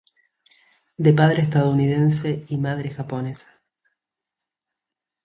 De padre estadounidense y madre japonesa.